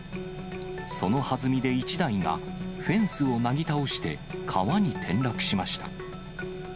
そのはずみで１台がフェンスをなぎ倒して川に転落しました。